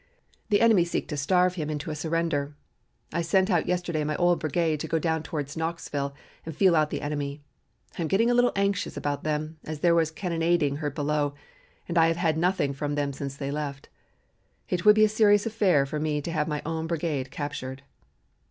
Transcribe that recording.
The enemy seek to starve him into a surrender. I sent out yesterday my old brigade to go down toward Knoxville and feel out the enemy. I am getting a little anxious about them as there was cannonading heard below and I have had nothing from them since they left. It would be a serious affair for me to have my old brigade captured.